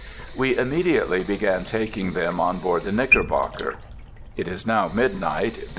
We immediately began taking them on board the Knickerbocker.... It is now midnight.